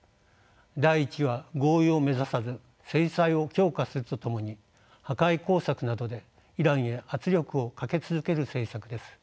第１は合意を目指さず制裁を強化するとともに破壊工作などでイランへ圧力をかけ続ける政策です。